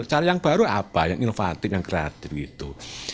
cara yang baru apa yang inovatif yang kreatif gitu